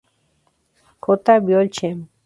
J Biol Chem.